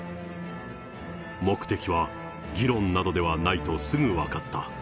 目的は議論などではないとすぐ分かった。